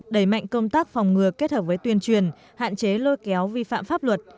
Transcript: đẩy mạnh công tác phòng ngừa kết hợp với tuyên truyền hạn chế lôi kéo vi phạm pháp luật